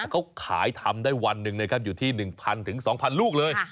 เขาขายทำได้วันหนึ่งนะครับอยู่ที่๑๐๐๒๐๐ลูกเลย